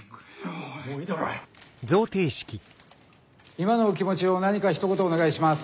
今のお気持ちを何かひと言お願いします。